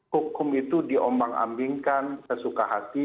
hukum itu diombang ambingkan sesuka hati